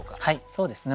そうですね